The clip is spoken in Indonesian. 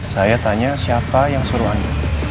saya tanya siapa yang suruh anda